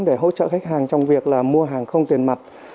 để hỗ trợ khách hàng trong việc là mua hàng không tiền mặt